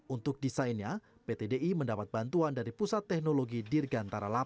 untuk desainnya pt di mendapat bantuan dari pusat teknologi dirgantara delapan